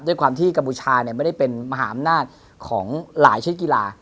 ด้วยความที่กัมพูชาไม่ได้เป็นมหาอำนาจของหลายชนิดกีฬา